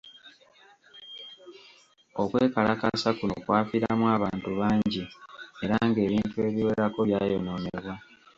Okwekalakaasa kuno kwafiiramu abantu bangi era ng’ebintu ebiwerako byayonoonebwa.